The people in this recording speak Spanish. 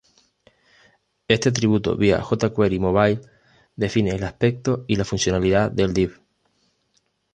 Este atributo, vía jQuery Mobile define el aspecto y la funcionalidad del div.